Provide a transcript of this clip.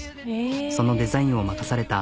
そのデザインを任された。